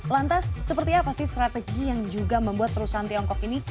lantas seperti apa sih strategi yang juga membuat perusahaan tiongkok ini